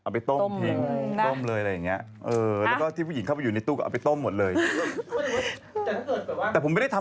พัดไทยถ่ายรูปคู่กับบอสไง